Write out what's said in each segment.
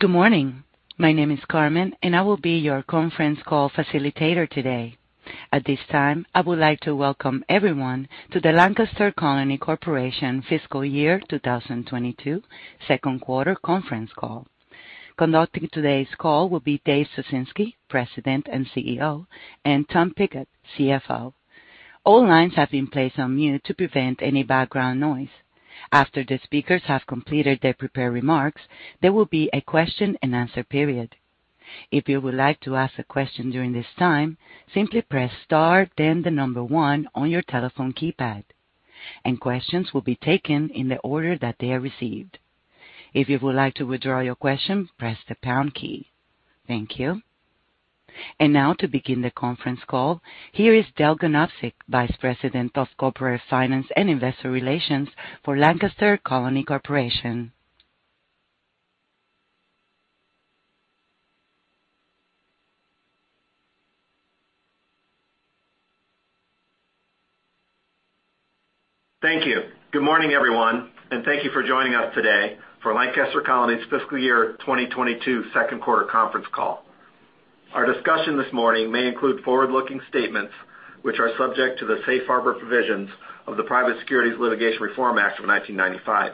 Good morning. My name is Carmen, and I will be your conference call facilitator today. At this time, I would like to welcome everyone to the Lancaster Colony Corporation Fiscal Year 2022 second quarter conference call. Conducting today's call will be Dave Ciesinski, President and CEO, and Tom Pigott, CFO. All lines have been placed on mute to prevent any background noise. After the speakers have completed their prepared remarks, there will be a question-and-answer period. If you would like to ask a question during this time, simply press star then the number one on your telephone keypad, and questions will be taken in the order that they are received. If you would like to withdraw your question, press the pound key. Thank you. Now to begin the conference call, here is Dale Ganobsik, Vice President of Corporate Finance and Investor Relations for Lancaster Colony Corporation. Thank you. Good morning, everyone, and thank you for joining us today for Lancaster Colony's fiscal year 2022 second quarter conference call. Our discussion this morning may include forward-looking statements which are subject to the safe harbor provisions of the Private Securities Litigation Reform Act of 1995.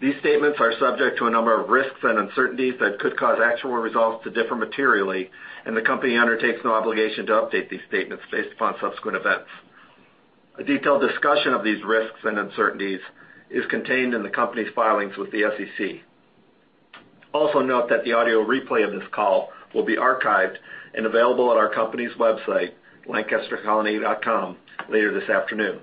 These statements are subject to a number of risks and uncertainties that could cause actual results to differ materially, and the company undertakes no obligation to update these statements based upon subsequent events. A detailed discussion of these risks and uncertainties is contained in the company's filings with the SEC. Also note that the audio replay of this call will be archived and available at our company's website, lancastercolony.com, later this afternoon.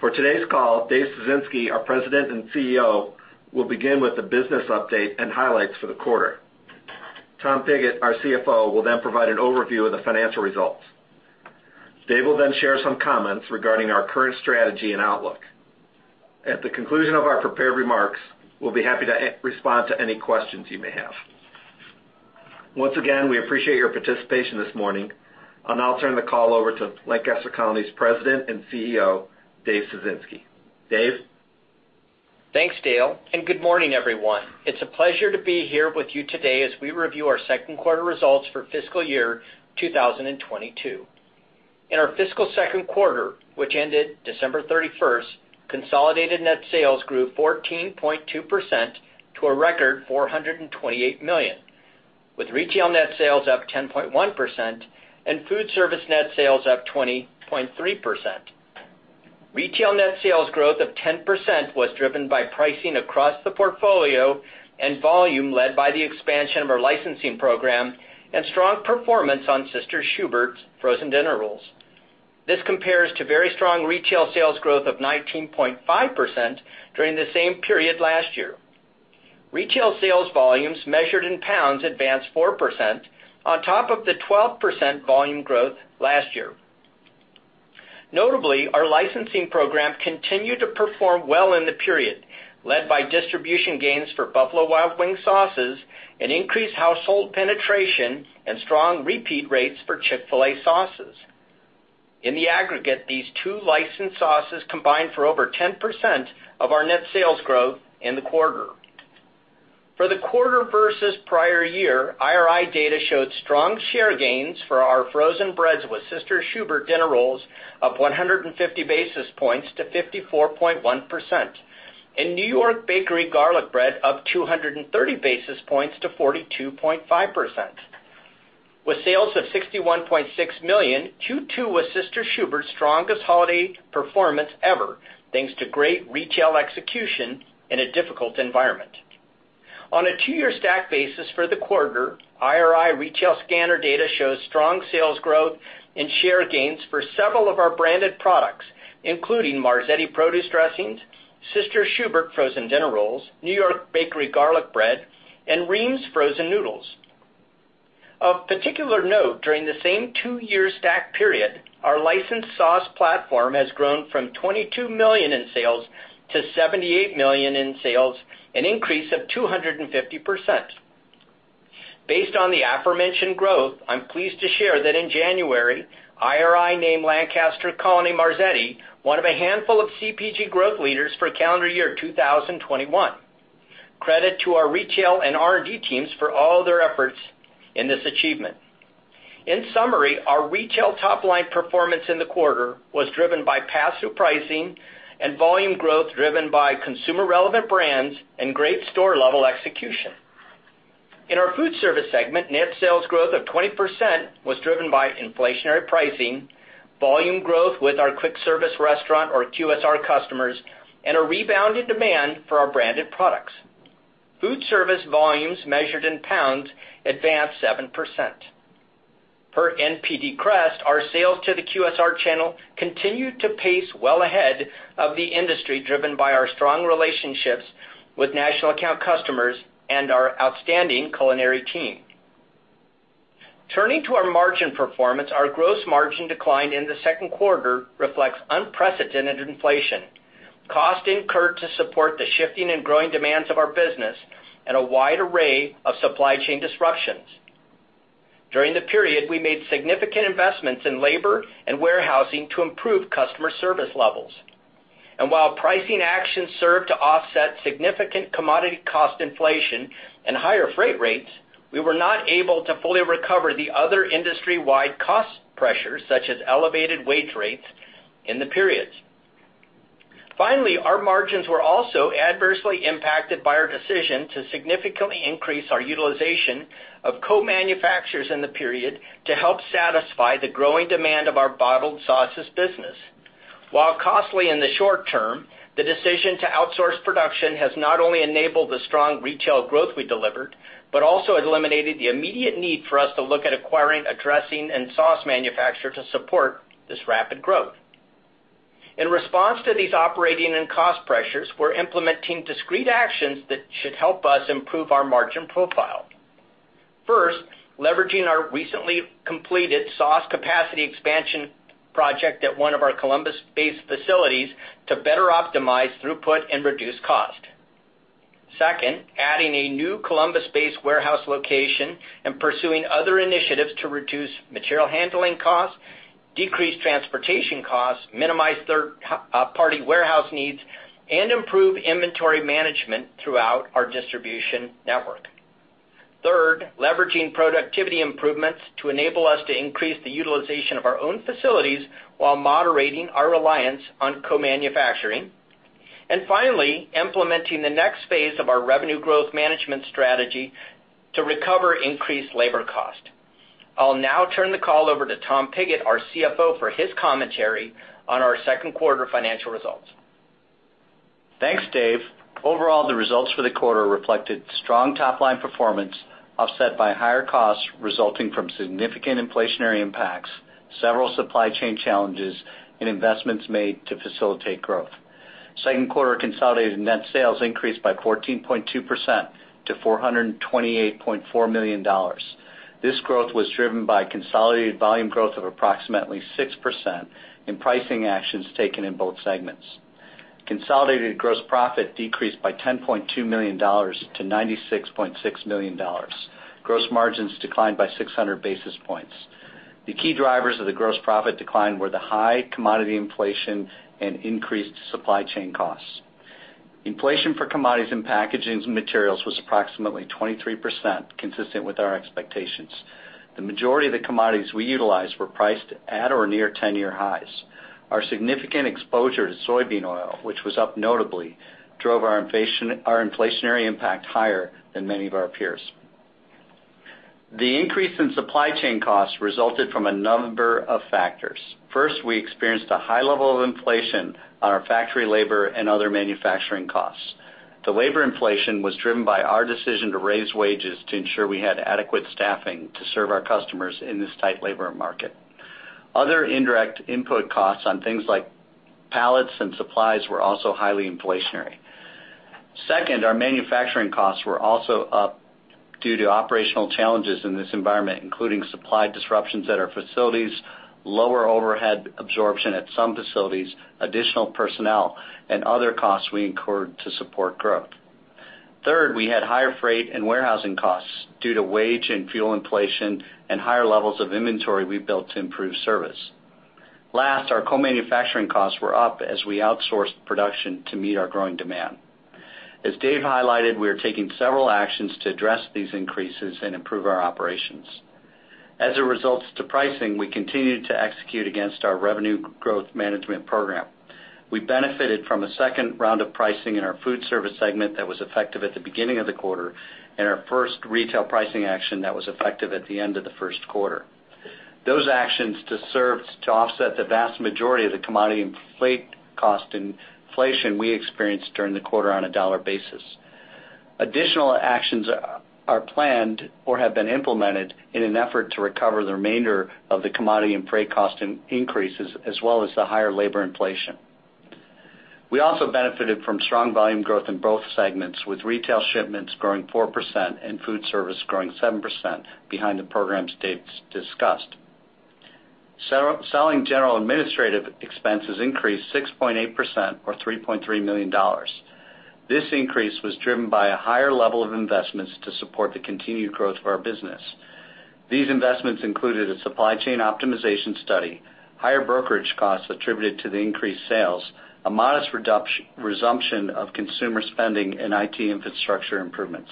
For today's call, Dave Ciesinski, our President and CEO, will begin with the business update and highlights for the quarter. Tom Pigott, our CFO, will then provide an overview of the financial results. Dave will then share some comments regarding our current strategy and outlook. At the conclusion of our prepared remarks, we'll be happy to respond to any questions you may have. Once again, we appreciate your participation this morning. I'll now turn the call over to Lancaster Colony's President and CEO, Dave Ciesinski. Dave? Thanks, Dale, and good morning, everyone. It's a pleasure to be here with you today as we review our Q2 results for fiscal year 2022. In our fiscal second quarter, which ended December 31, consolidated net sales grew 14.2% to a record $428 million, with retail net sales up 10.1% and food service net sales up 20.3%. Retail net sales growth of 10% was driven by pricing across the portfolio and volume led by the expansion of our licensing program and strong performance on Sister Schubert's frozen dinner rolls. This compares to very strong retail sales growth of 19.5% during the same period last year. Retail sales volumes measured in pounds advanced 4% on top of the 12% volume growth last year. Notably, our licensing program continued to perform well in the period, led by distribution gains for Buffalo Wild Wings sauces and increased household penetration and strong repeat rates for Chick-fil-A sauces. In the aggregate, these two licensed sauces combined for over 10% of our net sales growth in the quarter. For the quarter versus prior year, IRI data showed strong share gains for our frozen breads with Sister Schubert's dinner rolls up 150 basis points to 54.1%. In New York Bakery garlic bread up 230 basis points to 42.5%. With sales of $61.6 million, Q2 was Sister Schubert's strongest holiday performance ever, thanks to great retail execution in a difficult environment. On a two-year stack basis for the quarter, IRI retail scanner data shows strong sales growth and share gains for several of our branded products, including Marzetti produce dressings, Sister Schubert's frozen dinner rolls, New York Bakery garlic bread, and Ream's frozen noodles. Of particular note, during the same two-year stack period, our licensed sauce platform has grown from $22 million in sales to $78 million in sales, an increase of 250%. Based on the aforementioned growth, I'm pleased to share that in January, IRI named The Marzetti Company one of a handful of CPG growth leaders for calendar year 2021. Credit to our retail and R&D teams for all their efforts in this achievement. In summary, our retail top line performance in the quarter was driven by passive pricing and volume growth driven by consumer relevant brands and great store level execution. In our food service segment, net sales growth of 20% was driven by inflationary pricing, volume growth with our quick service restaurant or QSR customers, and a rebounded demand for our branded products. Food service volumes measured in pounds advanced 7%. Per NPD CREST, our sales to the QSR channel continued to pace well ahead of the industry, driven by our strong relationships with national account customers and our outstanding culinary team. Turning to our margin performance, our gross margin decline in the second quarter reflects unprecedented inflation, cost incurred to support the shifting and growing demands of our business, and a wide array of supply chain disruptions. During the period, we made significant investments in labor and warehousing to improve customer service levels. While pricing actions served to offset significant commodity cost inflation and higher freight rates, we were not able to fully recover the other industry-wide cost pressures, such as elevated wage rates in the periods. Finally, our margins were also adversely impacted by our decision to significantly increase our utilization of co-manufacturers in the period to help satisfy the growing demand of our bottled sauces business. While costly in the short term, the decision to outsource production has not only enabled the strong retail growth we delivered, but also eliminated the immediate need for us to look at acquiring a dressing and sauce manufacturer to support this rapid growth. In response to these operating and cost pressures, we're implementing discrete actions that should help us improve our margin profile. First, leveraging our recently completed sauce capacity expansion project at one of our Columbus-based facilities to better optimize throughput and reduce cost. Second, adding a new Columbus-based warehouse location and pursuing other initiatives to reduce material handling costs, decrease transportation costs, minimize third-party warehouse needs, and improve inventory management throughout our distribution network. Third, leveraging productivity improvements to enable us to increase the utilization of our own facilities while moderating our reliance on co-manufacturing. Finally, implementing the next phase of our revenue growth management strategy to recover increased labor cost. I'll now turn the call over to Tom Pigott, our CFO, for his commentary on our Q2 financial results. Thanks, Dave. Overall, the results for the quarter reflected strong top-line performance offset by higher costs resulting from significant inflationary impacts, several supply chain challenges, and investments made to facilitate growth. Second quarter consolidated net sales increased by 14.2% to $428.4 million. This growth was driven by consolidated volume growth of approximately 6% in pricing actions taken in both segments. Consolidated gross profit decreased by $10.2 million to $96.6 million. Gross margins declined by 600 basis points. The key drivers of the gross profit decline were the high commodity inflation and increased supply chain costs. Inflation for commodities and packaging materials was approximately 23%, consistent with our expectations. The majority of the commodities we utilized were priced at or near 10-year highs. Our significant exposure to soybean oil, which was up notably, drove our inflation, our inflationary impact higher than many of our peers. The increase in supply chain costs resulted from a number of factors. First, we experienced a high level of inflation on our factory labor and other manufacturing costs. The labor inflation was driven by our decision to raise wages to ensure we had adequate staffing to serve our customers in this tight labor market. Other indirect input costs on things like pallets and supplies were also highly inflationary. Second, our manufacturing costs were also up due to operational challenges in this environment, including supply disruptions at our facilities, lower overhead absorption at some facilities, additional personnel, and other costs we incurred to support growth. Third, we had higher freight and warehousing costs due to wage and fuel inflation and higher levels of inventory we built to improve service. Last, our co-manufacturing costs were up as we outsourced production to meet our growing demand. As Dave highlighted, we are taking several actions to address these increases and improve our operations. As it relates to pricing, we continued to execute against our revenue growth management program. We benefited from a second round of pricing in our food service segment that was effective at the beginning of the quarter and our first retail pricing action that was effective at the end of the first quarter. Those actions to offset the vast majority of the cost inflation we experienced during the quarter on a dollar basis. Additional actions are planned or have been implemented in an effort to recover the remainder of the commodity and freight cost increases, as well as the higher labor inflation. We also benefited from strong volume growth in both segments, with retail shipments growing 4% and food service growing 7% behind the programs Dave's discussed. Selling general administrative expenses increased 6.8% or $3.3 million. This increase was driven by a higher level of investments to support the continued growth of our business. These investments included a supply chain optimization study, higher brokerage costs attributed to the increased sales, a modest resumption of consumer spending, and IT infrastructure improvements.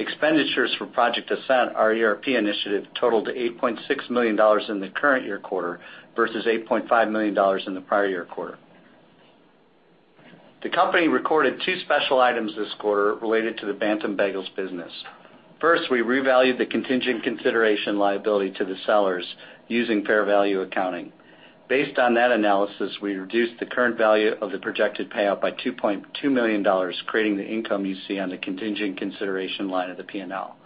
Expenditures for Project Ascent, our ERP initiative, totaled $8.6 million in the current year quarter versus $8.5 million in the prior year quarter. The company recorded two special items this quarter related to the Bantam Bagels business. First, we revalued the contingent consideration liability to the sellers using fair value accounting. Based on that analysis, we reduced the current value of the projected payout by $2.2 million, creating the income you see on the contingent consideration line of the P&L.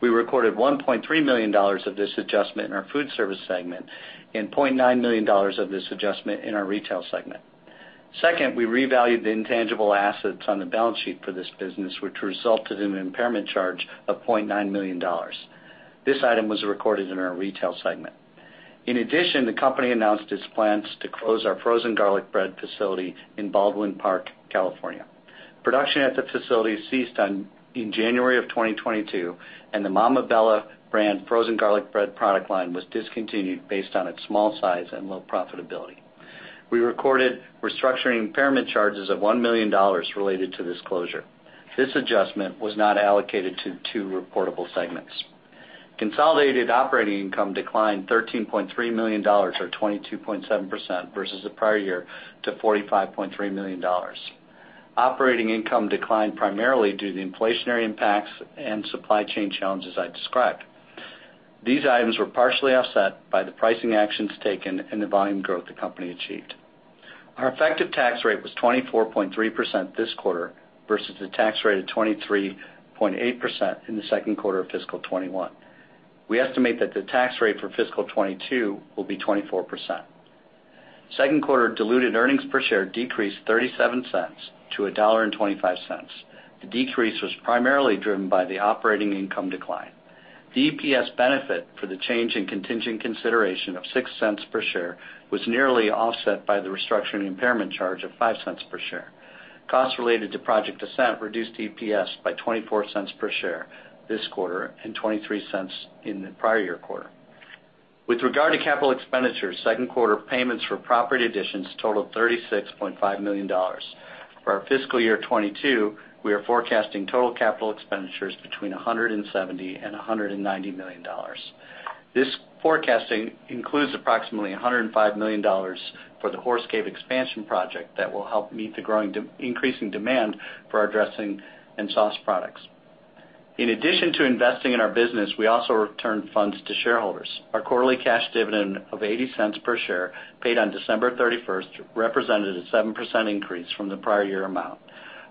We recorded $1.3 million of this adjustment in our foodservice segment and $0.9 million of this adjustment in our retail segment. Second, we revalued the intangible assets on the balance sheet for this business, which resulted in an impairment charge of $0.9 million. This item was recorded in our retail segment. In addition, the company announced its plans to close our frozen garlic bread facility in Baldwin Park, California. Production at the facility ceased in January 2022, and the Mamma Bella brand frozen garlic bread product line was discontinued based on its small size and low profitability. We recorded restructuring impairment charges of $1 million related to this closure. This adjustment was not allocated to two reportable segments. Consolidated operating income declined $13.3 million or 22.7% versus the prior year to $45.3 million. Operating income declined primarily due to the inflationary impacts and supply chain challenges I described. These items were partially offset by the pricing actions taken and the volume growth the company achieved. Our effective tax rate was 24.3% this quarter versus the tax rate of 23.8% in the second quarter of fiscal 2021. We estimate that the tax rate for fiscal 2022 will be 24%. Q2 diluted earnings per share decreased 37 cents to $1.25. The decrease was primarily driven by the operating income decline. The EPS benefit for the change in contingent consideration of 6 cents per share was nearly offset by the restructuring impairment charge of 5 cents per share. Costs related to Project Ascent reduced EPS by 24 cents per share this quarter and 23 cents in the prior year quarter. With regard to capital expenditures, second quarter payments for property additions totaled $36.5 million. For our fiscal year 2022, we are forecasting total capital expenditures between $170 million and $190 million. This forecasting includes approximately $105 million for the Horse Cave expansion project that will help meet the increasing demand for our dressing and sauce products. In addition to investing in our business, we also returned funds to shareholders. Our quarterly cash dividend of $0.80 per share paid on December 31 represented a 7% increase from the prior year amount.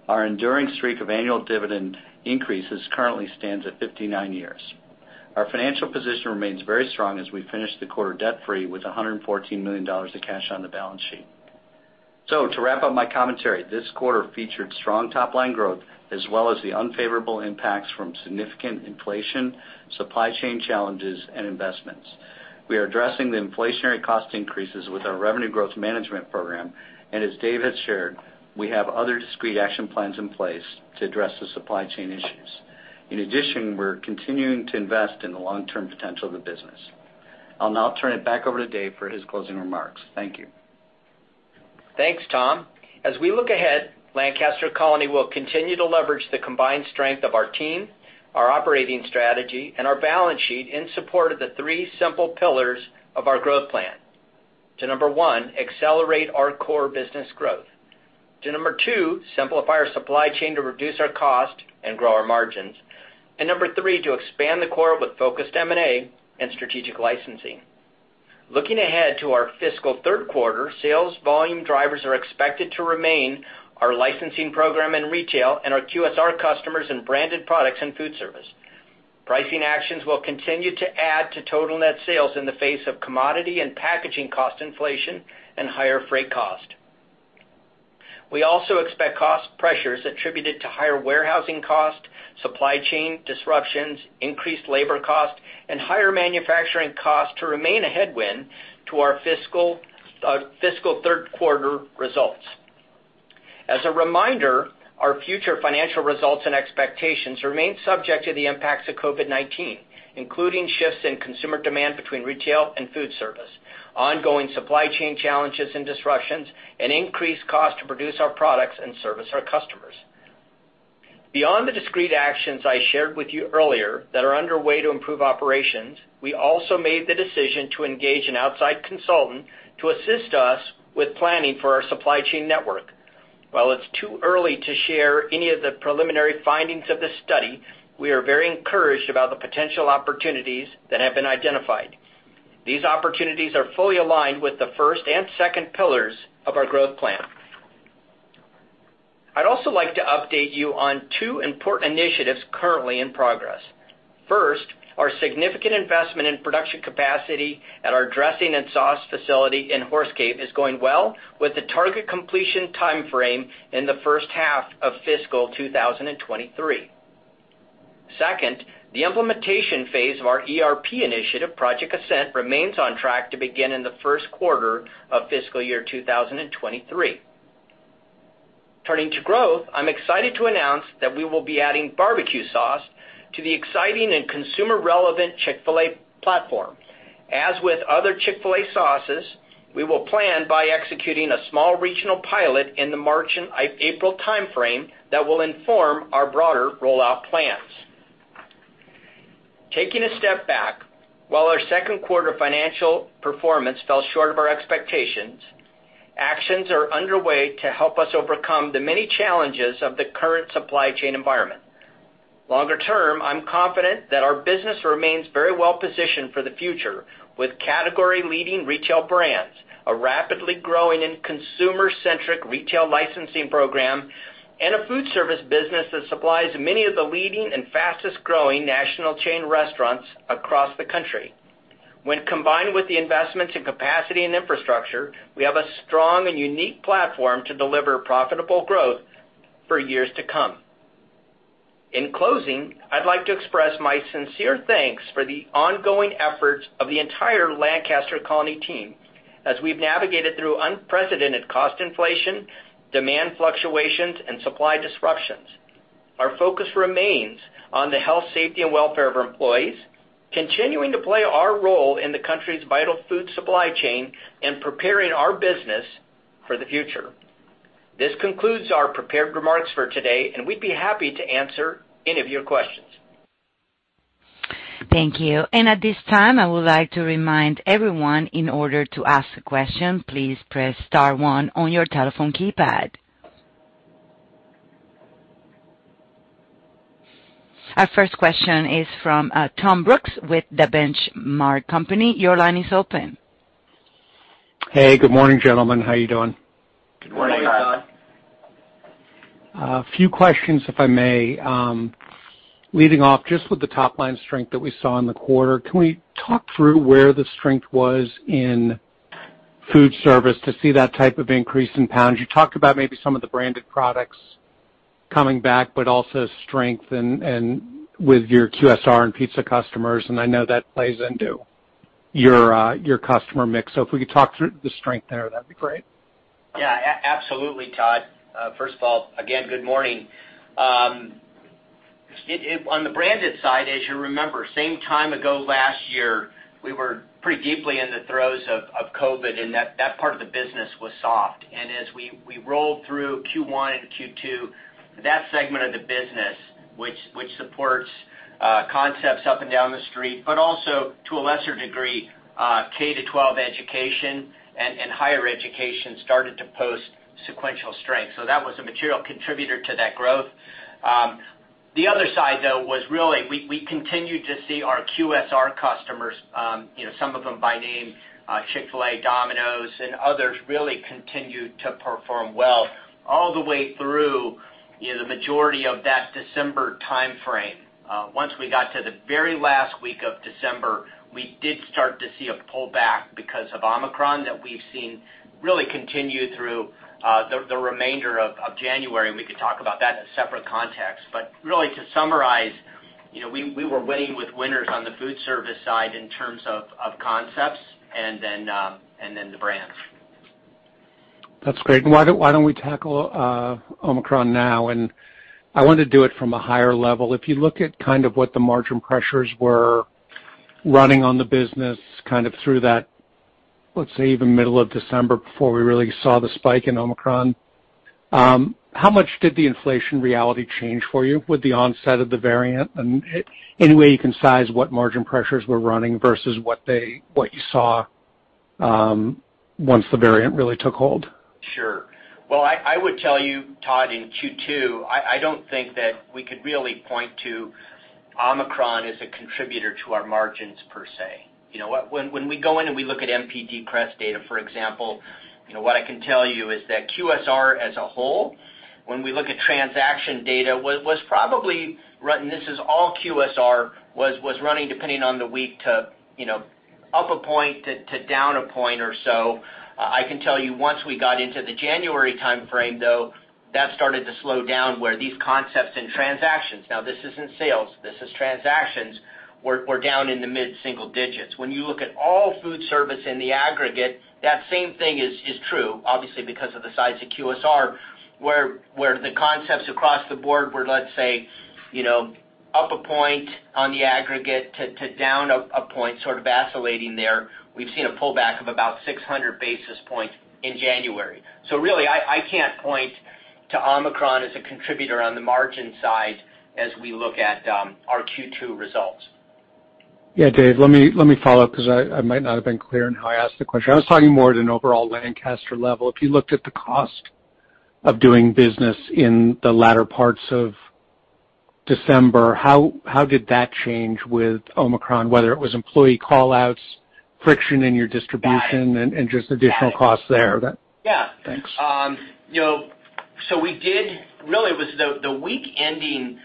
Our enduring streak of annual dividend increases currently stands at 59 years. Our financial position remains very strong as we finish the quarter debt-free with $114 million of cash on the balance sheet. To wrap up my commentary, this quarter featured strong top-line growth as well as the unfavorable impacts from significant inflation, supply chain challenges, and investments. We are addressing the inflationary cost increases with our revenue growth management program. As Dave has shared, we have other discrete action plans in place to address the supply chain issues. In addition, we're continuing to invest in the long-term potential of the business. I'll now turn it back over to Dave for his closing remarks. Thank you. Thanks, Tom. As we look ahead, Lancaster Colony will continue to leverage the combined strength of our team, our operating strategy, and our balance sheet in support of the three simple pillars of our growth plan. Number one, to accelerate our core business growth. Number two, to simplify our supply chain to reduce our cost and grow our margins. Number three, to expand the core with focused M&A and strategic licensing. Looking ahead to our fiscal third quarter, sales volume drivers are expected to remain our licensing program in retail and our QSR customers in branded products and food service. Pricing actions will continue to add to total net sales in the face of commodity and packaging cost inflation and higher freight cost. We also expect cost pressures attributed to higher warehousing cost, supply chain disruptions, increased labor cost, and higher manufacturing costs to remain a headwind to our fiscal third quarter results. As a reminder, our future financial results and expectations remain subject to the impacts of COVID-19, including shifts in consumer demand between retail and food service, ongoing supply chain challenges and disruptions, and increased cost to produce our products and service our customers. Beyond the discrete actions I shared with you earlier that are underway to improve operations, we also made the decision to engage an outside consultant to assist us with planning for our supply chain network. While it's too early to share any of the preliminary findings of this study, we are very encouraged about the potential opportunities that have been identified. These opportunities are fully aligned with the first and second pillars of our growth plan. I'd also like to update you on two important initiatives currently in progress. First, our significant investment in production capacity at our dressing and sauce facility in Horse Cave is going well with the target completion timeframe in the H1 of fiscal 2023. Second, the implementation phase of our ERP initiative, Project Ascent, remains on track to begin in the Q1 of fiscal year 2023. Turning to growth, I'm excited to announce that we will be adding barbecue sauce to the exciting and consumer-relevant Chick-fil-A platform. As with other Chick-fil-A sauces, we will plan by executing a small regional pilot in the March and April timeframe that will inform our broader rollout plans. Taking a step back, while our second quarter financial performance fell short of our expectations, actions are underway to help us overcome the many challenges of the current supply chain environment. Longer term, I'm confident that our business remains very well positioned for the future with category-leading retail brands, a rapidly growing and consumer-centric retail licensing program, and a food service business that supplies many of the leading and fastest-growing national chain restaurants across the country. When combined with the investments in capacity and infrastructure, we have a strong and unique platform to deliver profitable growth for years to come. In closing, I'd like to express my sincere thanks for the ongoing efforts of the entire Lancaster Colony team as we've navigated through unprecedented cost inflation, demand fluctuations, and supply disruptions. Our focus remains on the health, safety, and welfare of our employees, continuing to play our role in the country's vital food supply chain, and preparing our business for the future. This concludes our prepared remarks for today, and we'd be happy to answer any of your questions. Thank you. At this time, I would like to remind everyone in order to ask a question, please press star one on your telephone keypad. Our first question is from Todd Brooks with The Benchmark Company. Your line is open. Hey, good morning, gentlemen. How are you doing? Good morning, Todd. Good morning. A few questions, if I may. Leading off just with the top-line strength that we saw in the quarter, can we talk through where the strength was in food service to see that type of increase in pounds? You talked about maybe some of the branded products coming back, but also strength and with your QSR and pizza customers, and I know that plays into your customer mix. If we could talk through the strength there, that'd be great. Yeah, absolutely, Todd. First of all, again, good morning. On the branded side, as you remember, same time ago last year, we were pretty deeply in the throes of COVID, and that part of the business was soft. As we rolled through Q1 and Q2, that segment of the business, which supports concepts up and down the street, but also to a lesser degree, K to 12 education and higher education started to post sequential strength. That was a material contributor to that growth. The other side, though, was really we continued to see our QSR customers, you know, some of them by name, Chick-fil-A, Domino's, and others really continued to perform well all the way through, you know, the majority of that December timeframe. Once we got to the very last week of December, we did start to see a pullback because of Omicron that we've seen really continue through the remainder of January. We could talk about that in a separate context. Really to summarize, you know, we were winning with winners on the food service side in terms of concepts and then the brands. That's great. Why don't we tackle Omicron now? I want to do it from a higher level. If you look at kind of what the margin pressures were running on the business kind of through that, let's say, even middle of December before we really saw the spike in Omicron, how much did the inflation reality change for you with the onset of the variant? Any way you can size what margin pressures were running versus what you saw once the variant really took hold? Sure. Well, I would tell you, Todd, in Q2, I don't think that we could really point to Omicron as a contributor to our margins per se. You know, when we go in and we look at NPD CREST data, for example, you know, what I can tell you is that QSR as a whole, when we look at transaction data, was probably running, this is all QSR, depending on the week, you know, up a point to down a point or so. I can tell you once we got into the January timeframe, though, that started to slow down where these concepts and transactions, now this isn't sales, this is transactions, were down in the mid-single digits. When you look at all food service in the aggregate, that same thing is true, obviously, because of the size of QSR, where the concepts across the board were, let's say, you know, up a point on the aggregate to down a point, sort of oscillating there. We've seen a pullback of about 600 basis points in January. Really, I can't point to Omicron as a contributor on the margin side as we look at our Q2 results. Yeah. Dave, let me follow up because I might not have been clear in how I asked the question. I was talking more at an overall Lancaster level. If you looked at the cost of doing business in the latter parts of December, how did that change with Omicron, whether it was employee call-outs, friction in your distribution- Got it. Just additional costs there? Got it. Yeah. Thanks. You know, really it was the week ending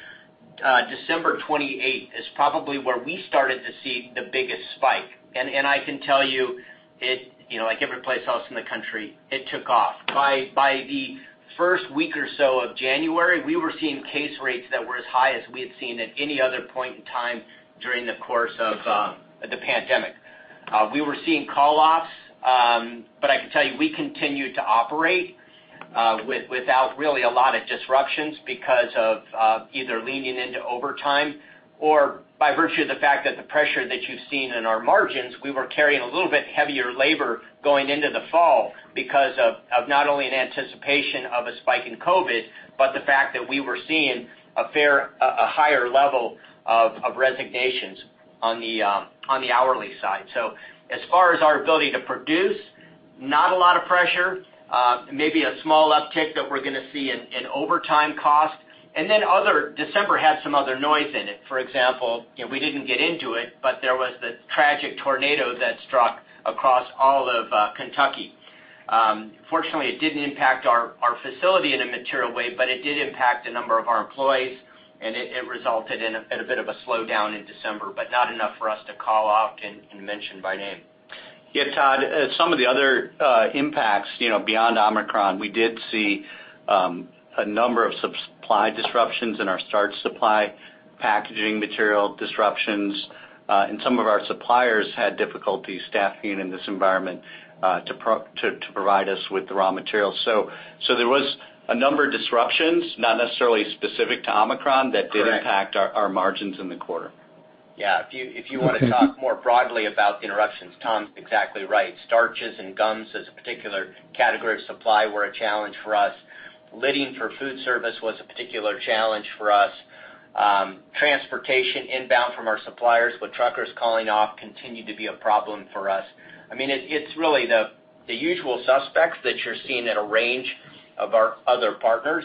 December 28 is probably where we started to see the biggest spike. I can tell you it, you know, like every place else in the country, it took off. By the first week or so of January, we were seeing case rates that were as high as we had seen at any other point in time during the course of the pandemic. We were seeing call-offs, but I can tell you, we continued to operate without really a lot of disruptions because of either leaning into overtime or by virtue of the fact that the pressure that you've seen in our margins, we were carrying a little bit heavier labor going into the fall because of not only in anticipation of a spike in COVID, but the fact that we were seeing a higher level of resignations on the hourly side. As far as our ability to produce, not a lot of pressure, maybe a small uptick that we're gonna see in overtime cost. December had some other noise in it. For example, you know, we didn't get into it, but there was the tragic tornado that struck across all of Kentucky. Fortunately, it didn't impact our facility in a material way, but it did impact a number of our employees, and it resulted in a bit of a slowdown in December, but not enough for us to call out and mention by name. Yeah, Todd, some of the other impacts, you know, beyond Omicron, we did see a number of supply disruptions in our starch supply, packaging material disruptions, and some of our suppliers had difficulty staffing in this environment to provide us with the raw materials. There was a number of disruptions, not necessarily specific to Omicron, that did impact our margins in the quarter. Yeah. If you wanna talk more broadly about the interruptions, Tom's exactly right. Starches and gums as a particular category of supply were a challenge for us. Lidding for food service was a particular challenge for us. Transportation inbound from our suppliers, with truckers calling off continued to be a problem for us. I mean, it's really the usual suspects that you're seeing in a range of our other partners.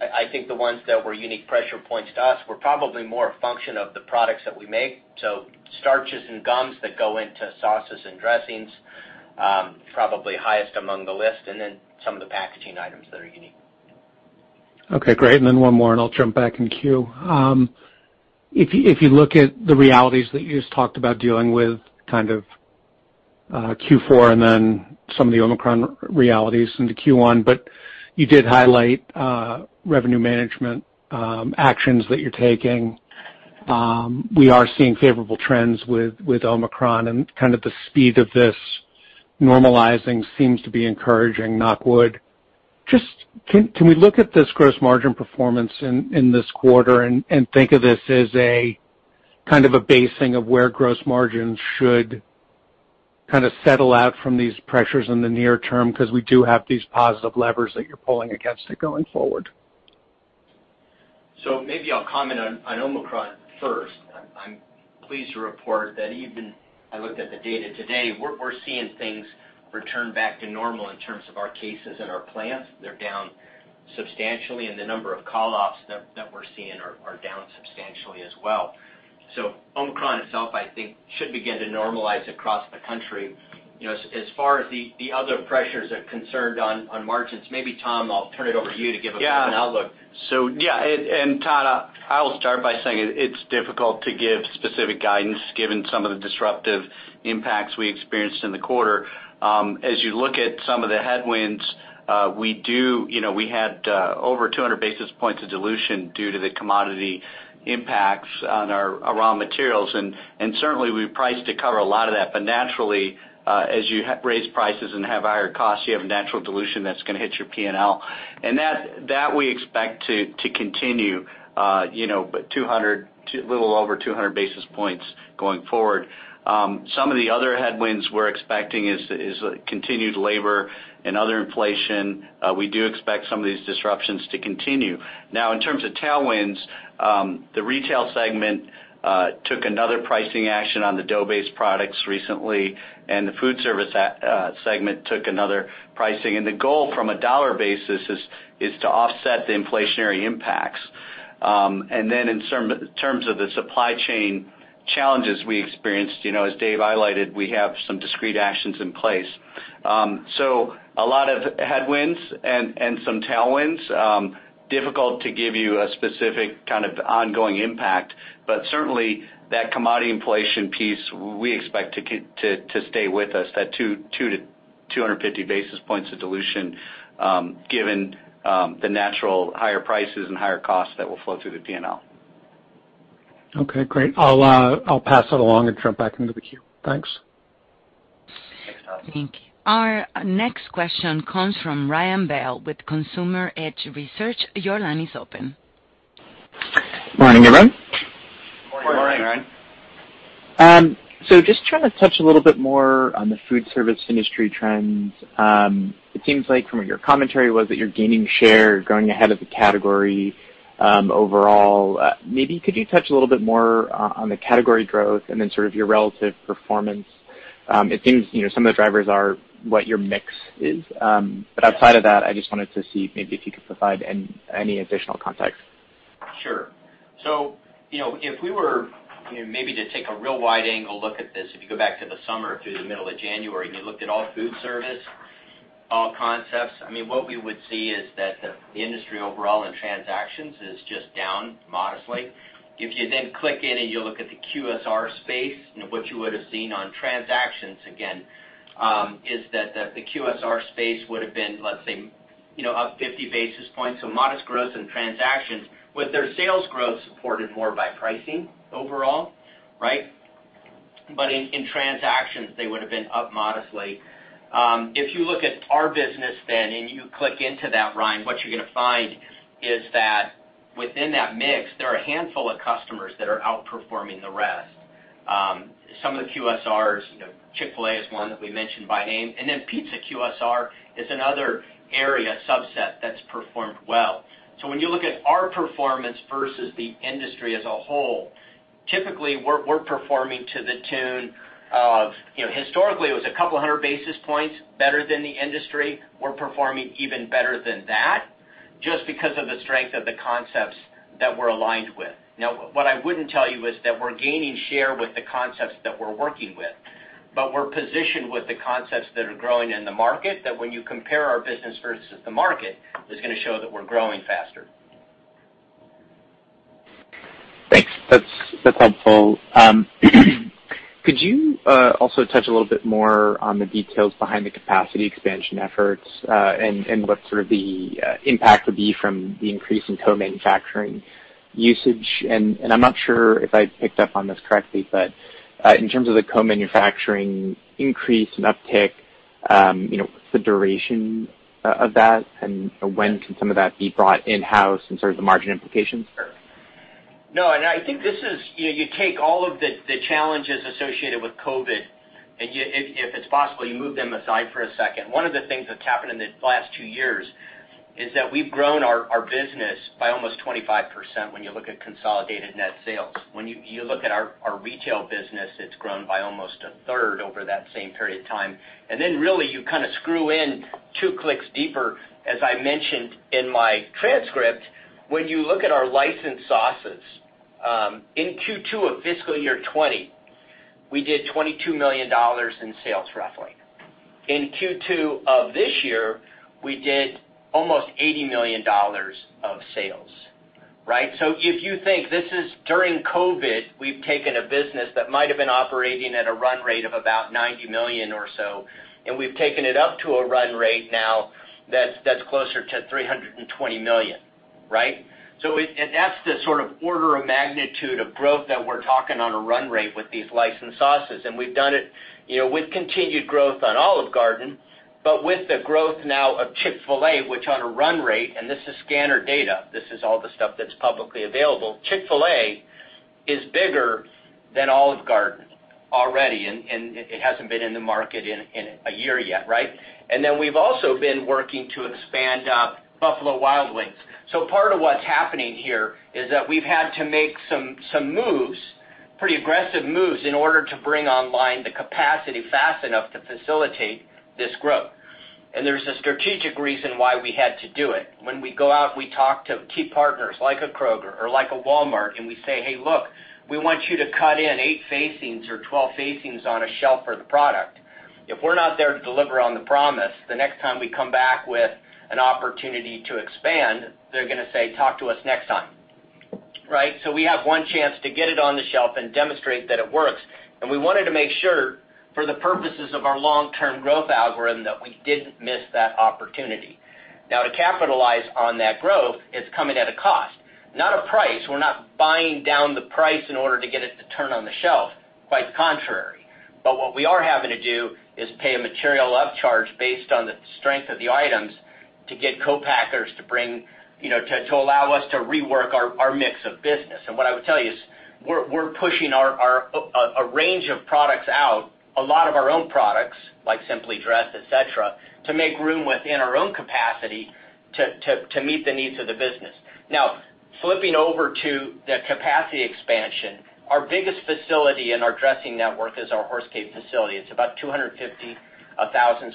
I think the ones that were unique pressure points to us were probably more a function of the products that we make. Starches and gums that go into sauces and dressings probably highest among the list, and then some of the packaging items that are unique. Okay, great. One more, and I'll jump back in queue. If you look at the realities that you just talked about dealing with kind of Q4 and then some of the Omicron realities into Q1, you did highlight revenue management actions that you're taking. We are seeing favorable trends with Omicron and kind of the speed of this normalizing seems to be encouraging, knock wood. Can we look at this gross margin performance in this quarter and think of this as a kind of a basing of where gross margins should kinda settle out from these pressures in the near term 'cause we do have these positive levers that you're pulling against it going forward? Maybe I'll comment on Omicron first. I'm pleased to report that even as I looked at the data today, we're seeing things return back to normal in terms of our cases in our plants. They're down substantially, and the number of call-offs that we're seeing are down substantially as well. Omicron itself, I think, should begin to normalize across the country. You know, as far as the other pressures are concerned on margins, maybe Tom, I'll turn it over to you to give a bit of an outlook. Todd, I will start by saying, it's difficult to give specific guidance given some of the disruptive impacts we experienced in the quarter. As you look at some of the headwinds, we had over 200 basis points of dilution due to the commodity impacts on our raw materials. Certainly we priced to cover a lot of that, but naturally, as you raise prices and have higher costs, you have natural dilution that's gonna hit your P&L. That we expect to continue, but a little over 200 basis points going forward. Some of the other headwinds we're expecting is continued labor and other inflation. We do expect some of these disruptions to continue. Now, in terms of tailwinds, the retail segment took another pricing action on the dough-based products recently, and the food service segment took another pricing. The goal from a dollar basis is to offset the inflationary impacts. In terms of the supply chain challenges we experienced, you know, as Dave highlighted, we have some discrete actions in place. A lot of headwinds and some tailwinds, difficult to give you a specific kind of ongoing impact, but certainly that commodity inflation piece we expect to stay with us, that 2-250 basis points of dilution, given the natural higher prices and higher costs that will flow through the P&L. Okay, great. I'll pass it along and jump back into the queue. Thanks. Thanks, Todd. Thank you. Our next question comes from Ryan Bell with Consumer Edge Research. Your line is open. Morning, everyone. Morning, Ryan. Just trying to touch a little bit more on the food service industry trends. It seems like from what your commentary was that you're gaining share, growing ahead of the category, overall. Maybe could you touch a little bit more on the category growth and then sort of your relative performance? It seems, you know, some of the drivers are what your mix is. Outside of that, I just wanted to see maybe if you could provide any additional context. Sure. You know, if we were, you know, maybe to take a real wide angle look at this, if you go back to the summer through the middle of January, and you looked at all food service, all concepts, I mean, what we would see is that the industry overall in transactions is just down modestly. If you then click in and you look at the QSR space, you know, what you would've seen on transactions again is that the QSR space would've been, let's say, you know, up 50 basis points, so modest growth in transactions, with their sales growth supported more by pricing overall, right? In transactions, they would've been up modestly. If you look at our business then and you click into that, Ryan, what you're gonna find is that within that mix, there are a handful of customers that are outperforming the rest. Some of the QSRs, you know, Chick-fil-A is one that we mentioned by name, and then pizza QSR is another area subset that's performed well. When you look at our performance versus the industry as a whole, typically we're performing to the tune of, you know, historically it was a couple hundred basis points better than the industry. We're performing even better than that just because of the strength of the concepts that we're aligned with. Now, what I wouldn't tell you is that we're gaining share with the concepts that we're working with, but we're positioned with the concepts that are growing in the market, that when you compare our business versus the market, it's gonna show that we're growing faster. That's helpful. Could you also touch a little bit more on the details behind the capacity expansion efforts and what sort of the impact would be from the increase in co-manufacturing usage? I'm not sure if I picked up on this correctly, but in terms of the co-manufacturing increase and uptick, you know, the duration of that and when can some of that be brought in-house and sort of the margin implications? No, I think this is. You take all of the challenges associated with COVID and if it's possible, you move them aside for a second. One of the things that's happened in the last two years is that we've grown our business by almost 25% when you look at consolidated net sales. When you look at our retail business, it's grown by almost a third over that same period of time. Then really you kind of screw in two clicks deeper, as I mentioned in my transcript, when you look at our licensed sauces, in Q2 of fiscal year 2020, we did $22 million in sales roughly. In Q2 of this year, we did almost $80 million of sales, right? If you think this is during COVID, we've taken a business that might have been operating at a run rate of about $90 million or so, and we've taken it up to a run rate now that's closer to $320 million, right? That's the sort of order of magnitude of growth that we're talking on a run rate with these licensed sauces. We've done it, you know, with continued growth on Olive Garden, but with the growth now of Chick-fil-A, which on a run rate, and this is scanner data, this is all the stuff that's publicly available. Chick-fil-A is bigger than Olive Garden already, and it hasn't been in the market in a year yet, right? We've also been working to expand out Buffalo Wild Wings. Part of what's happening here is that we've had to make some moves, pretty aggressive moves in order to bring online the capacity fast enough to facilitate this growth. There's a strategic reason why we had to do it. When we go out, we talk to key partners like a Kroger or like a Walmart, and we say, "Hey, look, we want you to cut in 8 facings or 12 facings on a shelf for the product." If we're not there to deliver on the promise, the next time we come back with an opportunity to expand, they're gonna say, "Talk to us next time." Right. We have one chance to get it on the shelf and demonstrate that it works. We wanted to make sure, for the purposes of our long-term growth algorithm, that we didn't miss that opportunity. Now, to capitalize on that growth, it's coming at a cost, not a price. We're not buying down the price in order to get it to turn on the shelf, quite contrary. What we are having to do is pay a material upcharge based on the strength of the items to get co-packers to bring, you know, to allow us to rework our mix of business. What I would tell you is we're pushing a range of products out, a lot of our own products, like Simply Dressed, et cetera, to make room within our own capacity to meet the needs of the business. Now, flipping over to the capacity expansion, our biggest facility in our dressing network is our Horse Cave facility. It's about 250,000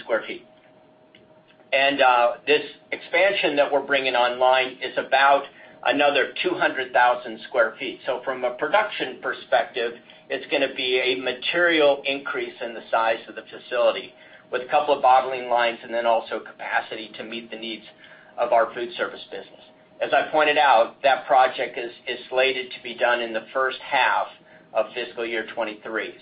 sq ft. This expansion that we're bringing online is about another 200,000 sq ft. From a production perspective, it's gonna be a material increase in the size of the facility with a couple of bottling lines and then also capacity to meet the needs of our food service business. As I pointed out, that project is slated to be done in the first half of fiscal year 2023.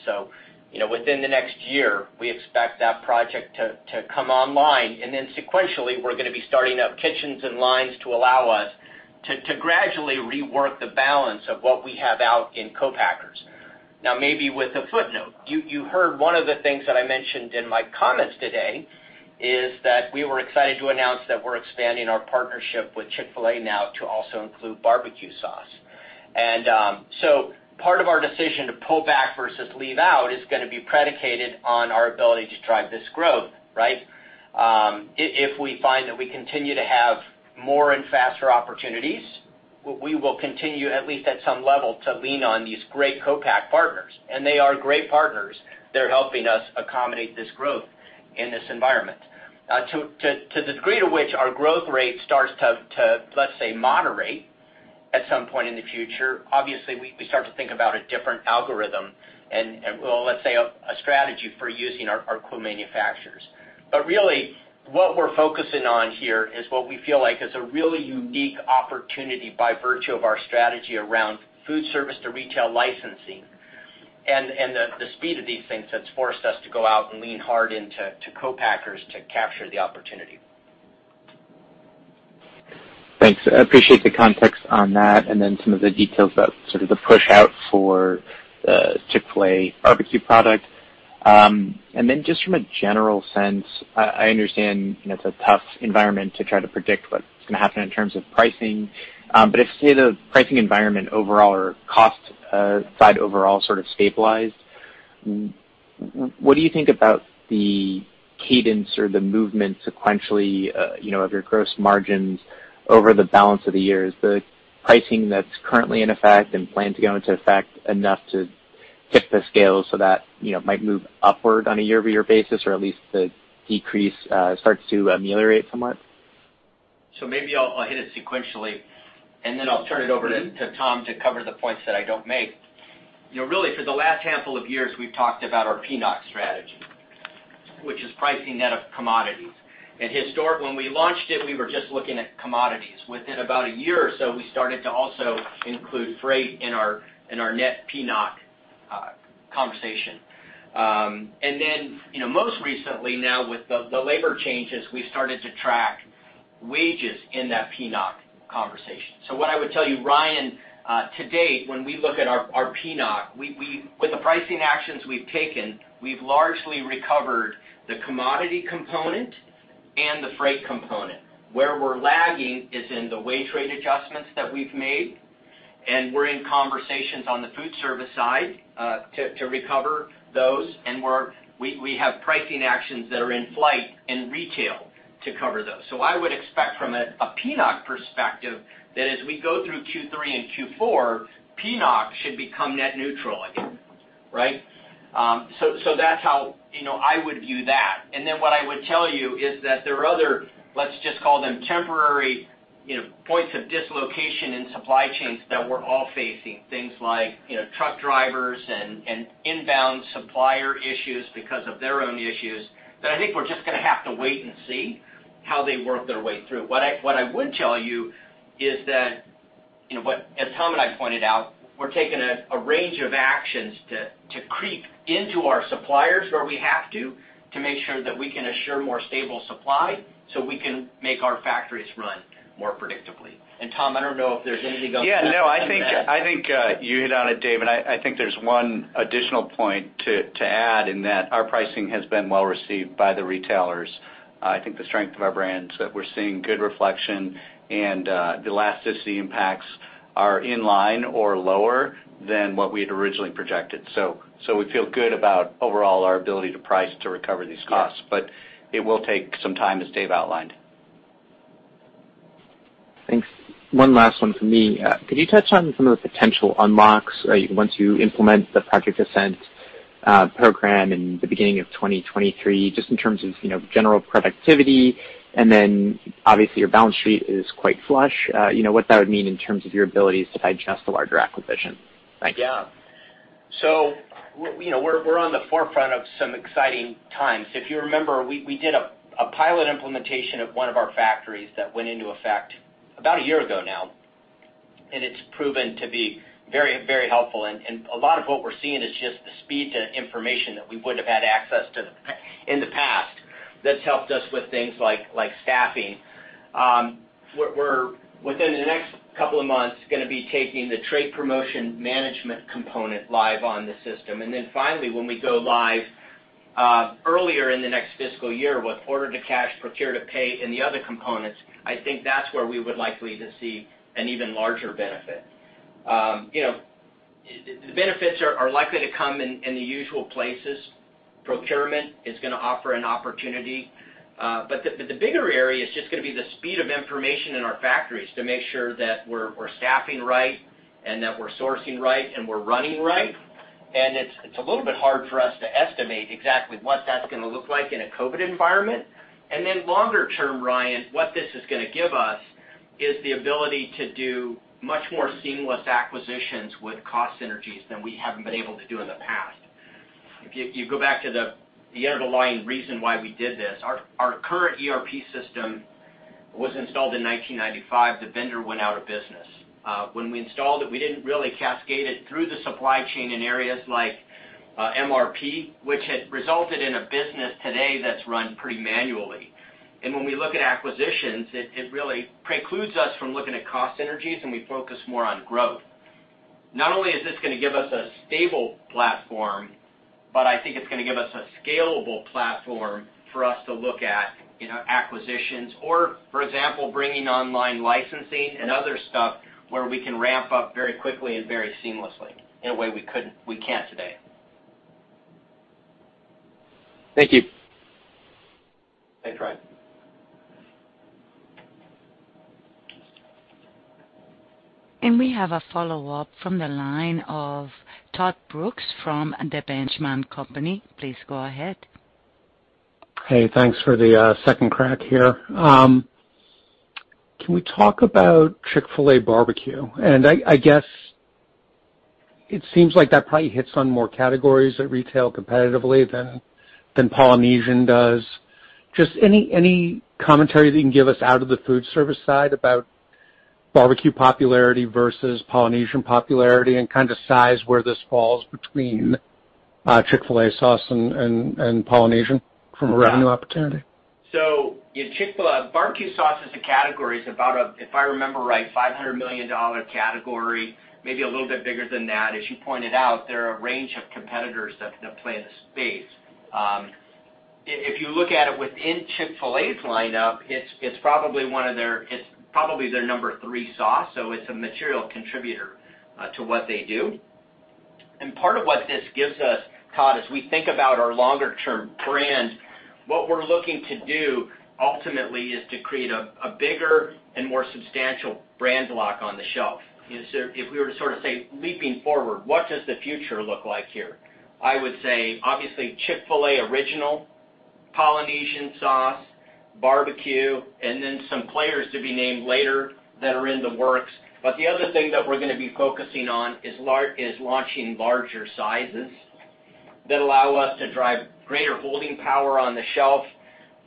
You know, within the next year, we expect that project to come online. Then sequentially, we're gonna be starting up kitchens and lines to allow us to gradually rework the balance of what we have out in co-packers. Now, maybe with a footnote, you heard one of the things that I mentioned in my comments today is that we were excited to announce that we're expanding our partnership with Chick-fil-A now to also include barbecue sauce. Part of our decision to pull back versus leave out is gonna be predicated on our ability to drive this growth, right? If we find that we continue to have more and faster opportunities, we will continue, at least at some level, to lean on these great co-pack partners. They are great partners. They're helping us accommodate this growth in this environment. To the degree to which our growth rate starts to, let's say, moderate at some point in the future, obviously, we start to think about a different algorithm and, well, let's say a strategy for using our co-manufacturers. Really what we're focusing on here is what we feel like is a really unique opportunity by virtue of our strategy around food service to retail licensing and the speed of these things that's forced us to go out and lean hard into co-packers to capture the opportunity. Thanks. I appreciate the context on that and then some of the details about sort of the push out for Chick-fil-A barbecue product. Just from a general sense, I understand, you know, it's a tough environment to try to predict what's gonna happen in terms of pricing. If, say, the pricing environment overall or cost side overall sort of stabilized, what do you think about the cadence or the movement sequentially, you know, of your gross margins over the balance of the year? Is the pricing that's currently in effect and planned to go into effect enough to tip the scale so that, you know, might move upward on a year-over-year basis, or at least the decrease starts to ameliorate somewhat? Maybe I'll hit it sequentially, and then I'll turn it over to Tom to cover the points that I don't make. You know, really, for the last handful of years, we've talked about our PNOC strategy, which is pricing net of commodities. When we launched it, we were just looking at commodities. Within about a year or so, we started to also include freight in our net PNOC conversation. You know, most recently now with the labor changes, we started to track wages in that PNOC conversation. What I would tell you, Ryan, to date, when we look at our PNOC, we—with the pricing actions we've taken, we've largely recovered the commodity component and the freight component. Where we're lagging is in the wage rate adjustments that we've made, and we're in conversations on the food service side to recover those. We have pricing actions that are in flight in retail to cover those. I would expect from a PNOC perspective that as we go through Q3 and Q4, PNOC should become net neutral again, right? That's how, you know, I would view that. What I would tell you is that there are other, let's just call them temporary, you know, points of dislocation in supply chains that we're all facing, things like, you know, truck drivers and inbound supplier issues because of their own issues, that I think we're just gonna have to wait and see how they work their way through. What I would tell you is that, you know, as Tom and I pointed out, we're taking a range of actions to creep into our suppliers where we have to make sure that we can assure more stable supply, so we can make our factories run more predictably. Tom, I don't know if there's anything else you'd like to add. Yeah. No, I think you hit on it, Dave. I think there's one additional point to add, in that our pricing has been well received by the retailers. I think the strength of our brands that we're seeing good reflection and the elasticity impacts are in line or lower than what we had originally projected. We feel good about overall our ability to price to recover these costs. It will take some time, as Dave outlined. Thanks. One last one from me. Could you touch on some of the potential unlocks once you implement the Project Ascent program in the beginning of 2023, just in terms of, you know, general productivity? Obviously, your balance sheet is quite flush, you know, what that would mean in terms of your ability to digest a larger acquisition? Thank you. We know we're on the forefront of some exciting times. If you remember, we did a pilot implementation of one of our factories that went into effect about a year ago now, and it's proven to be very helpful. A lot of what we're seeing is just the speed to information that we wouldn't have had access to in the past. That's helped us with things like staffing. We're within the next couple of months gonna be taking the trade promotion management component live on the system. Then finally, when we go live earlier in the next fiscal year with order-to-cash, procure-to-pay and the other components, I think that's where we would likely to see an even larger benefit. You know, the benefits are likely to come in the usual places. Procurement is gonna offer an opportunity. The bigger area is just gonna be the speed of information in our factories to make sure that we're staffing right and that we're sourcing right and we're running right. It's a little bit hard for us to estimate exactly what that's gonna look like in a COVID environment. Longer term, Ryan, what this is gonna give us is the ability to do much more seamless acquisitions with cost synergies than we haven't been able to do in the past. If you go back to the underlying reason why we did this, our current ERP system was installed in 1995. The vendor went out of business. When we installed it, we didn't really cascade it through the supply chain in areas like MRP, which had resulted in a business today that's run pretty manually. When we look at acquisitions, it really precludes us from looking at cost synergies, and we focus more on growth. Not only is this gonna give us a stable platform, but I think it's gonna give us a scalable platform for us to look at, you know, acquisitions or, for example, bringing online licensing and other stuff where we can ramp up very quickly and very seamlessly in a way we can't today. Thank you. Thanks, Ryan. We have a follow-up from the line of Todd Brooks from The Benchmark Company. Please go ahead. Hey, thanks for the second crack here. Can we talk about Chick-fil-A barbecue? I guess it seems like that probably hits on more categories at retail competitively than Polynesian does. Just any commentary that you can give us out of the food service side about barbecue popularity versus Polynesian popularity and kind of size where this falls between Chick-fil-A sauce and Polynesian from a revenue opportunity. In Chick-fil-A, barbecue sauce as a category is about a, if I remember right, $500 million category, maybe a little bit bigger than that. As you pointed out, there are a range of competitors that play in the space. If you look at it within Chick-fil-A's lineup, it's probably one of their. It's probably their number three sauce, so it's a material contributor to what they do. Part of what this gives us, Todd, as we think about our longer term brand, what we're looking to do ultimately is to create a bigger and more substantial brand block on the shelf. If we were to sort of say, leaping forward, what does the future look like here? I would say obviously Chick-fil-A original Polynesian Sauce, Barbecue, and then some players to be named later that are in the works. The other thing that we're gonna be focusing on is launching larger sizes that allow us to drive greater holding power on the shelf,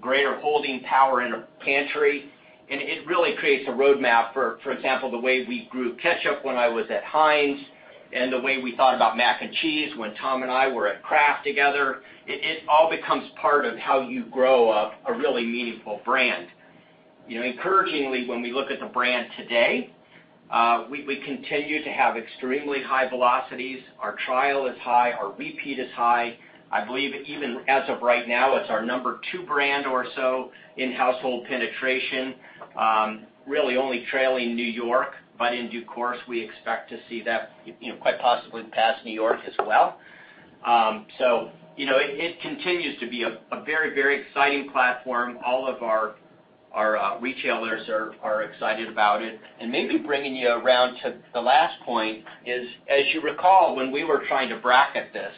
greater holding power in a pantry. It really creates a roadmap, for example, the way we grew ketchup when I was at the kraft the kraft the kraft The Kraft Heinz Company company company company, and the way we thought about mac and cheese when Tom and I were at Kraft together. It all becomes part of how you grow a really meaningful brand. You know, encouragingly, when we look at the brand today, we continue to have extremely high velocities. Our trial is high, our repeat is high. I believe even as of right now, it's our number two brand or so in household penetration, really only trailing New York Bakery. In due course, we expect to see that, you know, quite possibly pass New York as well. You know, it continues to be a very exciting platform. All of our retailers are excited about it. Maybe bringing you around to the last point is, as you recall, when we were trying to bracket this,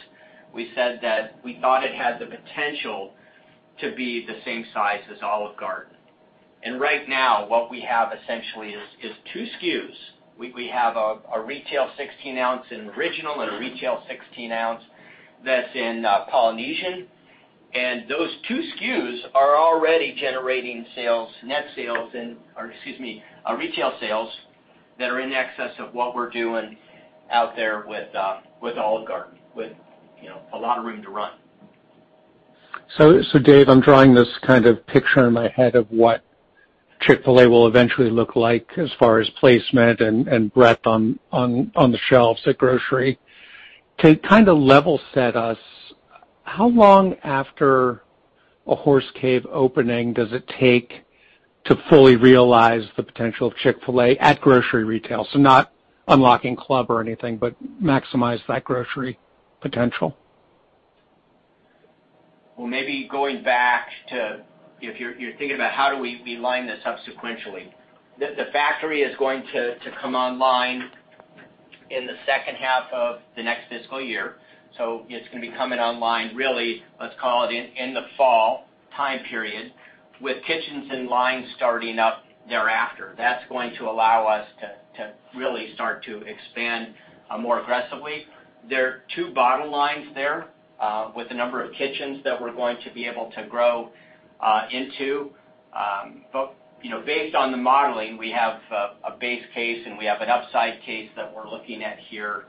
we said that we thought it had the potential to be the same size as Olive Garden. Right now, what we have essentially is 2 SKUs. We have a retail 16-ounce in original and a retail 16-ounce that's in Polynesian, and those 2 SKUs are already generating sales, retail sales that are in excess of what we're doing out there with Olive Garden with, you know, a lot of room to run. Dave, I'm drawing this kind of picture in my head of what Chick-fil-A will eventually look like as far as placement and breadth on the shelves at grocery. To kinda level set us, how long after a Horse Cave opening does it take to fully realize the potential of Chick-fil-A at grocery retail? Not unlocking club or anything, but maximize that grocery potential. Well, maybe going back to if you're thinking about how do we align this subsequently. The factory is going to come online in the second half of the next fiscal year. It's gonna be coming online really, let's call it in the fall time period, with kitchens online starting up thereafter. That's going to allow us to really start to expand more aggressively. There are two bottom lines there with the number of kitchens that we're going to be able to grow into. But you know, based on the modeling, we have a base case, and we have an upside case that we're looking at here.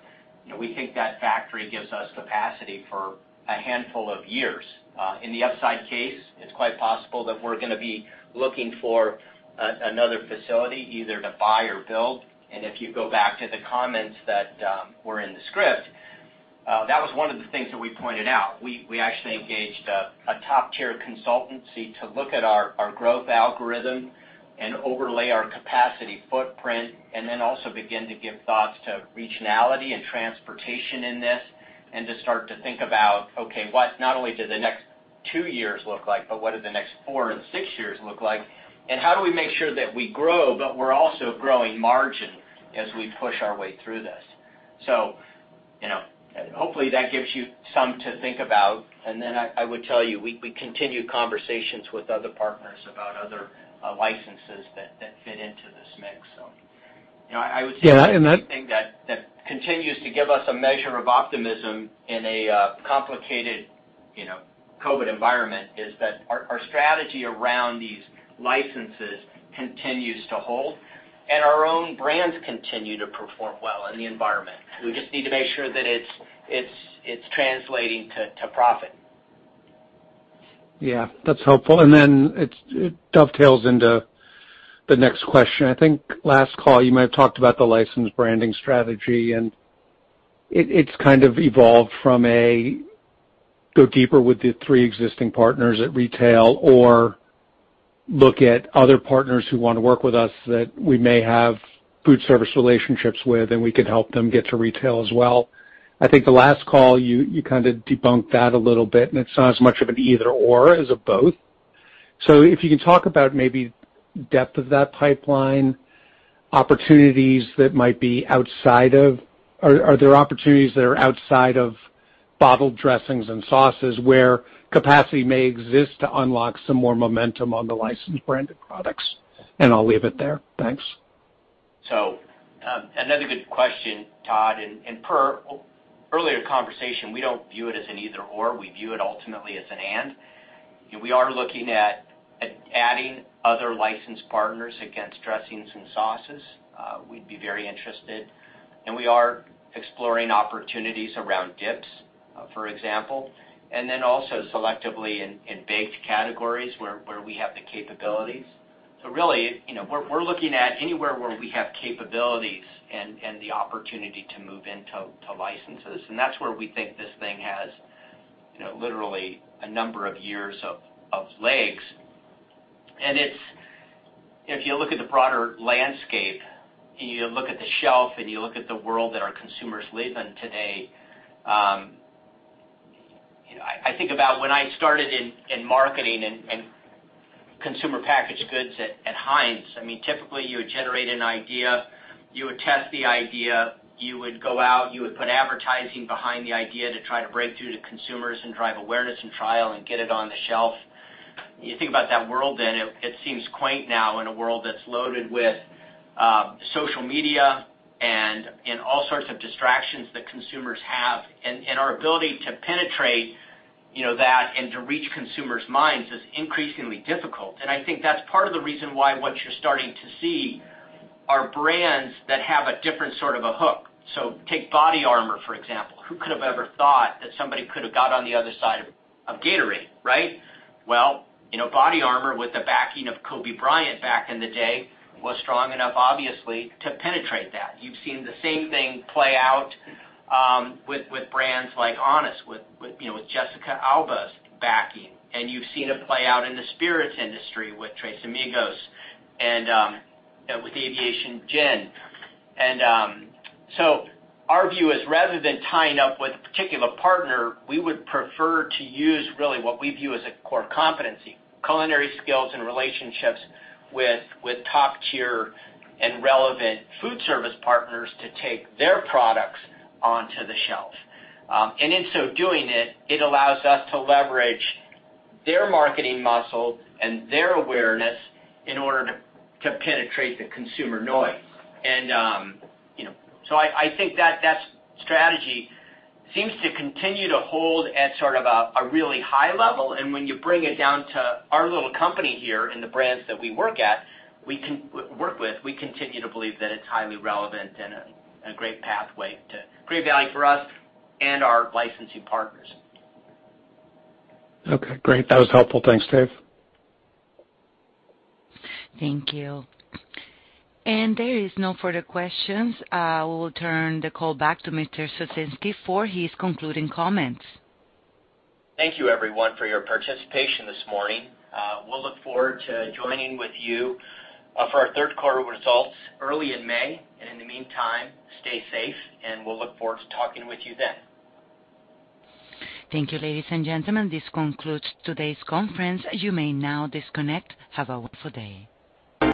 You know, we think that factory gives us capacity for a handful of years. In the upside case, it's quite possible that we're gonna be looking for another facility either to buy or build. If you go back to the comments that were in the script, that was one of the things that we pointed out. We actually engaged a top-tier consultancy to look at our growth algorithm and overlay our capacity footprint, and then also begin to give thoughts to regionality and transportation in this and to start to think about, okay, what not only do the next two years look like, but what do the next four and six years look like? How do we make sure that we grow, but we're also growing margin as we push our way through this. You know, hopefully, that gives you some to think about. Then I would tell you we continue conversations with other partners about other licenses that fit into this mix. You know, I would say- Yeah, and that. The only thing that continues to give us a measure of optimism in a complicated, you know, COVID environment is that our strategy around these licenses continues to hold, and our own brands continue to perform well in the environment. We just need to make sure that it's translating to profit. Yeah. That's helpful. Then it dovetails into the next question. I think last call, you might have talked about the license branding strategy, and it's kind of evolved from a go deeper with the three existing partners at retail or look at other partners who wanna work with us that we may have food service relationships with, and we can help them get to retail as well. I think the last call, you kinda debunked that a little bit, and it's not as much of an either/or as a both. If you can talk about maybe depth of that pipeline, opportunities that might be outside of bottled dressings and sauces where capacity may exist to unlock some more momentum on the licensed branded products? Are there opportunities that are outside of bottled dressings and sauces where capacity may exist to unlock some more momentum on the licensed branded products? I'll leave it there. Thanks. Another good question, Todd. Per earlier conversation, we don't view it as an either/or. We view it ultimately as an and. You know, we are looking at adding other licensed partners against dressings and sauces. We'd be very interested. We are exploring opportunities around dips, for example, and then also selectively in baked categories where we have the capabilities. Really, you know, we're looking at anywhere where we have capabilities and the opportunity to move into licenses. That's where we think this thing has, you know, literally a number of years of legs. If you look at the broader landscape, and you look at the shelf, and you look at the world that our consumers live in today, you know, I think about when I started in marketing and consumer packaged goods at the kraft the kraft the kraft The Kraft Heinz Company company company company. I mean, typically, you would generate an idea. You would test the idea. You would go out, you would put advertising behind the idea to try to break through to consumers and drive awareness and trial and get it on the shelf. You think about that world then, it seems quaint now in a world that's loaded with social media and all sorts of distractions that consumers have and our ability to penetrate, you know, that and to reach consumers' minds is increasingly difficult. I think that's part of the reason why what you're starting to see are brands that have a different sort of a hook. Take BODYARMOR, for example. Who could have ever thought that somebody could have got on the other side of Gatorade, right? Well, you know, BODYARMOR, with the backing of Kobe Bryant back in the day, was strong enough, obviously, to penetrate that. You've seen the same thing play out with brands like the The Honest Company company, with you know with Jessica Alba's backing. You've seen it play out in the spirits industry with Casamigos and with Aviation Gin. Our view is rather than tying up with a particular partner, we would prefer to use really what we view as a core competency, culinary skills and relationships with top-tier and relevant food service partners to take their products onto the shelf. In so doing it allows us to leverage their marketing muscle and their awareness in order to penetrate the consumer noise. You know, so I think that strategy seems to continue to hold at sort of a really high level. When you bring it down to our little company here and the brands that we work at, we can work with, we continue to believe that it's highly relevant and a great pathway to create value for us and our licensing partners. Okay, great. That was helpful. Thanks, Dave. Thank you. There is no further questions. We'll turn the call back to Mr. Ciesinski for his concluding comments. Thank you everyone for your participation this morning. We'll look forward to joining with you for our Q3 results early in May. In the meantime, stay safe, and we'll look forward to talking with you then. Thank you, ladies and gentlemen. This concludes today's conference. You may now disconnect. Have a wonderful day.